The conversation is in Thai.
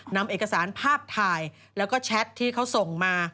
นำเอกสารภาพถ่ายแล้วก็แชทที่เขาส่งมา